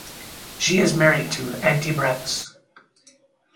She is married to Antti Brax.